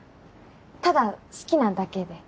ただ好きなだけで。